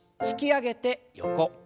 引き上げて横。